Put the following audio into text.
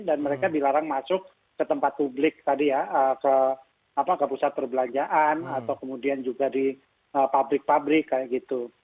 dan mereka dilarang masuk ke tempat publik tadi ya ke pusat perbelanjaan atau kemudian juga di pabrik pabrik kayak gitu